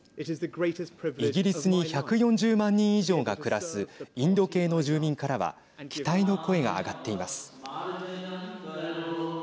イギリスに１４０万人以上が暮らすインド系の住民からは期待の声が上がっています。